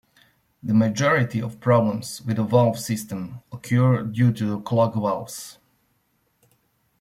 The majority of problems with the valve system occur due to clogged valves.